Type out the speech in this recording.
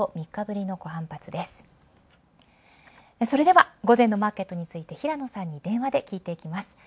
それでは、午前のマーケットについて平野さんに電話で聞いていきます。